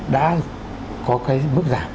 đã có cái mức giảm